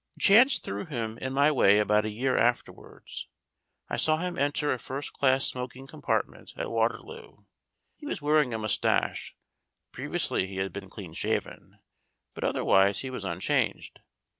Chance threw him in my way about a year after wards. I saw him enter a first class smoking compart ment at Waterloo. He was wearing a moustache previously he had been clean shaven but otherwise he was unchanged.